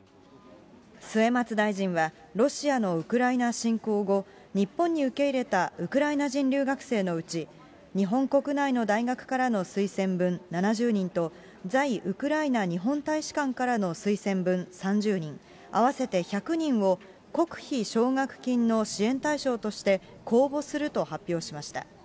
末松大臣は、ロシアのウクライナ侵攻後、日本に受け入れたウクライナ人留学生のうち、日本国内の大学からの推薦分７０人と、在ウクライナ日本大使館からの推薦分３０人、合わせて１００人を、国費奨学金の支援対象として、公募すると発表しました。